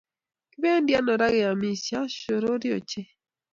Kipendi ano raa keyamishen ashorore ochei